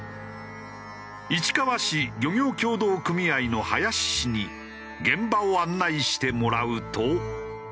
市川市漁業協同組合の林氏に現場を案内してもらうと。